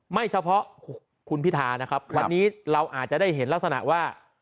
ไม่เฉพาะคุณพิธานะครับวันนี้เราอาจจะได้เห็นลักษณะว่า